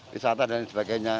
wisata dan sebagainya